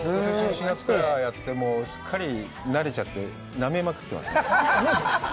４月からやってすっかりなれちゃって、なめまくってますね。